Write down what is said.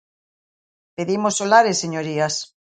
Pedimos solares, señorías.